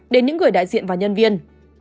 đến những người đại diện và nhân viên